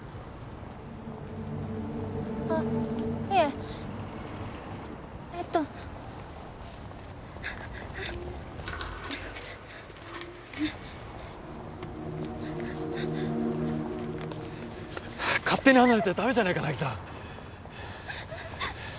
あっいええと勝手に離れちゃダメじゃないか渚！